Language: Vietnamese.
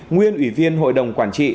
nguyên ủy viên hội đồng quản trị